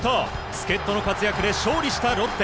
助っ人の活躍で勝利したロッテ。